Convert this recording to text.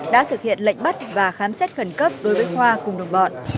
đã thực hiện lệnh bắt và khám xét khẩn cấp đối với khoa cùng đồng bọn